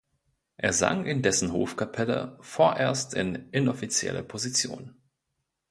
Er sang in dessen Hofkapelle, vorerst in inoffizieller Position.